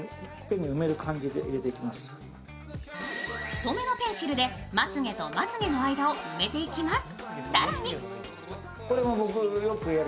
太めのペンシルで、まつげとまつげの間を埋めていきます。